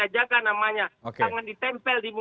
jangan ditempel di